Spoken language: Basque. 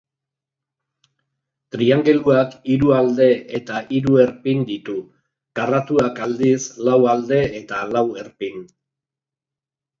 Triangeluak hiru alde eta hiru erpin ditu. Karratuak, aldiz, lau alde eta lau erpin.